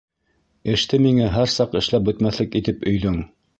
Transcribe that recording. Эште миңә һәр саҡ эшләп бөтмәҫлек итеп өйҙөң!